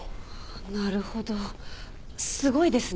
なるほどすごいですね。